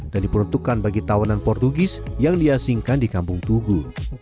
dan diperuntukkan bagi tawanan portugis yang diasingkan di kampung tugu